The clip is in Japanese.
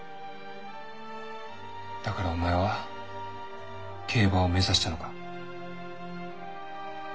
だからお前は競馬を目指したのか？